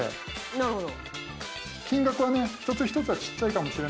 なるほど。